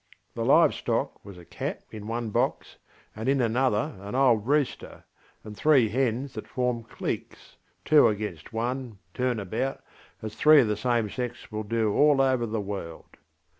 The live stock was a cat in one box, and in another an old rooster, and three hens that formed cliques, two against one, turn about, as three of the same sex will do all over the world.